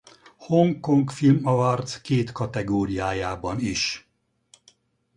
Hong Kong Film Awards két kategóriájában is.